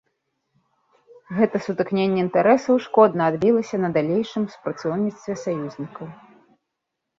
Гэта сутыкненне інтарэсаў шкодна адбілася на далейшым супрацоўніцтве саюзнікаў.